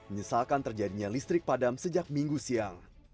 menyesalkan terjadinya listrik padam sejak minggu siang